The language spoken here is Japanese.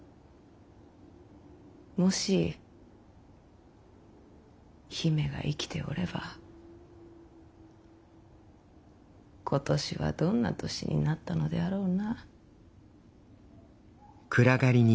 もし姫が生きておれば今年はどんな年になったのであろうな。